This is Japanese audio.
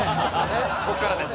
ここからです